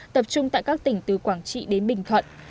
tập trung tại các tỉnh từ quảng trị đến bình thuận